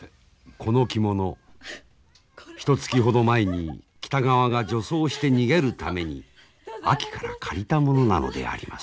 この着物ひとつきほど前に北川が女装して逃げるためにあきから借りたものなのであります。